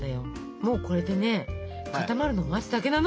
もうこれでね固まるのを待つだけなの。